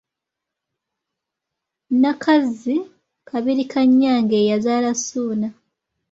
Nnakazzi Kabirikanyange ye yazaala Suuna